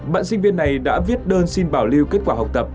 bạn sinh viên này đã viết đơn xin bảo lưu kết quả học tập